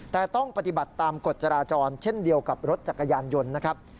แต่ต้องปฏิบัติตามกฎจราจรเช่นเดียวกับรถจักรยานยนต์นะครับ